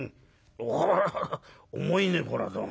お重いねこれはどうも。